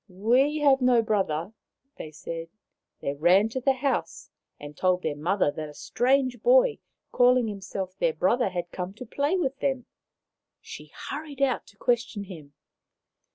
" We have no brother," they said. They ran to the house and told their mother that a strange boy calling him self their brother had come to play with them, She hurried out to question him.